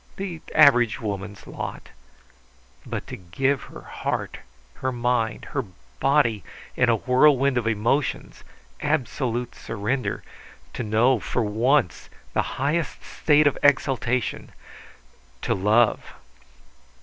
The average woman's lot. But to give her heart, her mind, her body in a whirlwind of emotions, absolute surrender, to know for once the highest state of exaltation to love!